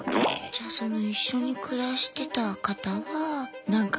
じゃあその一緒に暮らしてた方はなんか。